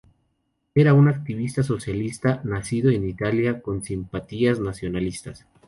Era un activista socialista nacido en Italia, con simpatías nacionalistas.